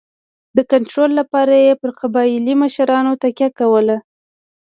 د کنټرول لپاره یې پر قبایلي مشرانو تکیه کوله.